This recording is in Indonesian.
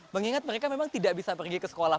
mengingat mereka memang tidak bisa pergi ke sekolah